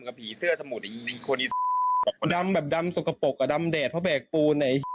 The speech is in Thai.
คุณอีสานดำแบบดำสกปรกอะดำแดดเพราะแบกปูน